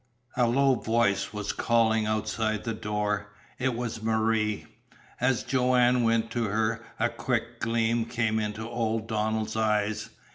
A low voice was calling outside the door. It was Marie. As Joanne went to her a quick gleam came into old Donald's eyes.